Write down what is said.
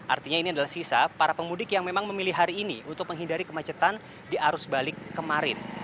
artinya ini adalah sisa para pemudik yang memang memilih hari ini untuk menghindari kemacetan di arus balik kemarin